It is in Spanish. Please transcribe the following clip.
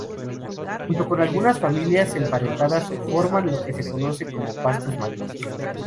Junto con algunas familias emparentadas forman lo que se conoce como "pastos marinos".